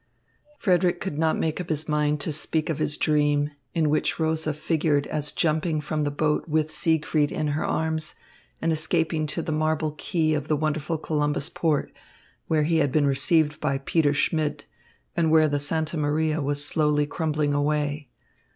Frederick could not make up his mind to speak of his dream, in which Rosa figured as jumping from the boat with Siegfried in her arms and escaping to the white marble quay of the wonderful Columbus port, where he had been received by Peter Schmidt and where the Santa Maria was slowly crumbling away.